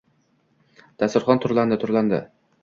Dasturxon turlandi, turlandi!